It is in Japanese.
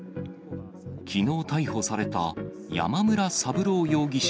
きのう逮捕された山村三郎容疑者